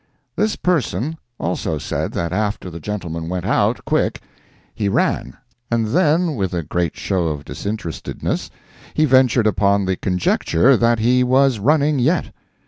This person also said that after the gentleman went out quick, he ran—and then with a great show of disinterestedness, he ventured upon the conjecture that he was running yet.